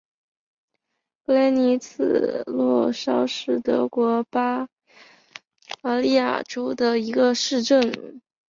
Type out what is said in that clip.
雷格尼茨洛绍是德国巴伐利亚州的一个市镇。